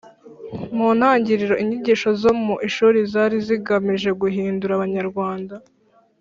Mu ntangiriro inyigisho zo mu ishuri zari zigamije guhindura Abanyarwanda